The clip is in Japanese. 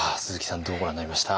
どうご覧になりました？